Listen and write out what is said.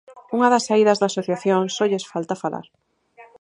Unha das saídas da asociación "Só lles falta falar".